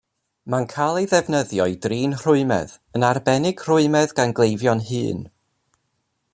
Mae'n cael ei ddefnyddio i drin rhwymedd, yn arbennig rhwymedd gan gleifion hŷn.